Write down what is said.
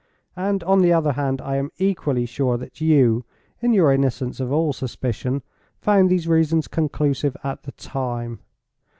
And, on the other hand, I am equally sure that you, in your innocence of all suspicion, found those reasons conclusive at the time.